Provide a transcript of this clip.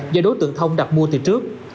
do đối tượng thông đặt mua từ trước